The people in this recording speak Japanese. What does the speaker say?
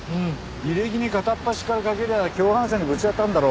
履歴に片っ端からかけりゃ共犯者にぶち当たるだろ？